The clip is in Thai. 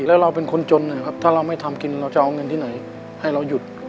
แล้วเราเป็นคนจนนะครับถ้าเราไม่ทำกินเราจะเอาเงินที่ไหนให้เราหยุด